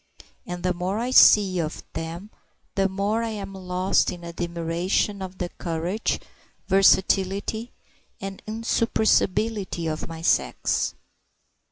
And the more I see of them the more I am lost in admiration of the courage, versatility, and insuppressibility of my sex.